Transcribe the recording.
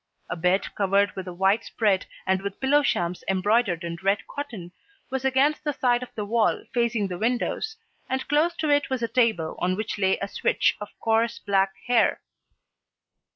A bed, covered with a white spread and with pillow shams embroidered in red cotton, was against the side of the wall facing the windows, and close to it was a table on which lay a switch of coarse black hair.